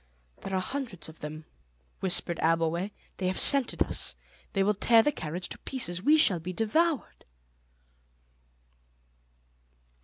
"There are hundreds of them," whispered Abbleway; "they have scented us. They will tear the carriage to pieces. We shall be devoured."